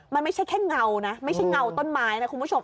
มันไม่ใช่แค่เงานะไม่ใช่เงาต้นไม้นะคุณผู้ชม